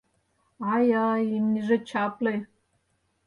Ай-ай, имньыже чапле!..